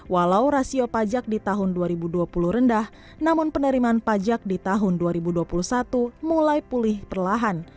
walau rasio pajak di tahun dua ribu dua puluh rendah namun penerimaan pajak di tahun dua ribu dua puluh satu mulai pulih perlahan